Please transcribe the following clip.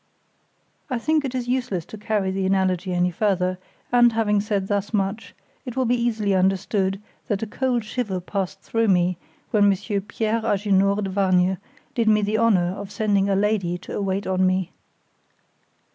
I think it is useless to carry the analogy any further, and having said thus much, it will be easily understood that a cold shiver passed through me when Monsieur Pierre Agénor de Vargnes did me the honor of sending a lady to await on me.